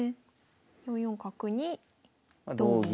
４四角に同銀。